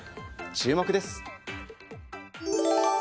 注目です。